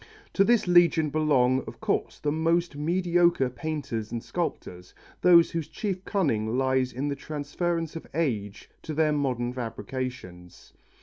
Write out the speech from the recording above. To this legion belong, of course, the most mediocre painters and sculptors, those whose chief cunning lies in the transference of age to their modern fabrications.